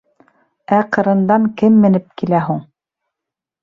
— Ә ҡырындан кем менеп килә һуң?